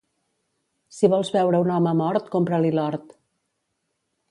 Si vols veure un home mort, compra-li l'hort.